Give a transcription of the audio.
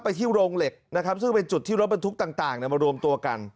ที่โรงเหล็กนะครับซึ่งเป็นจุดที่รถบรรทุกต่างมารวมตัวกัน